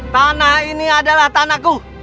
tanah ini adalah tanahku